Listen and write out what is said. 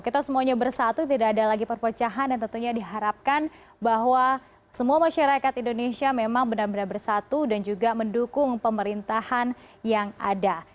kita semuanya bersatu tidak ada lagi perpecahan dan tentunya diharapkan bahwa semua masyarakat indonesia memang benar benar bersatu dan juga mendukung pemerintahan yang ada